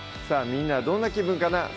みんなはどんな気分かなぁ